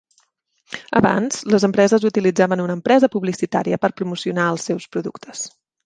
Abans, les empreses utilitzaven una empresa publicitària per promocionar els seus productes.